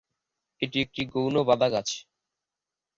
এটি একটি গৌণ বাদাগাছ।